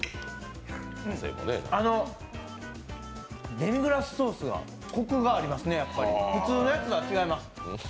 デミグラスソースがこくがありますね、普通のやつとは違いますね。